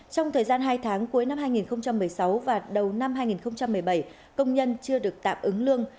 trong thời gian hai tháng cuối năm hai nghìn một mươi sáu và đầu năm hai nghìn một mươi bảy công nhân chưa được tạm ứng lương